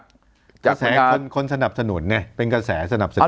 กระแสคนสนับสนุนไงเป็นกระแสสนับสนุน